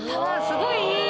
すごいいい。